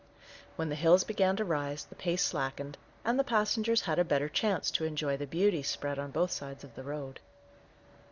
When the hills began to rise, the pace slackened, and the passengers had a better chance to enjoy the beauties spread on both sides of the road.